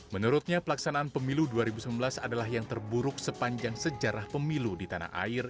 menurutnya pelaksanaan pemilu dua ribu sembilan belas adalah yang terburuk sepanjang sejarah pemilu di tanah air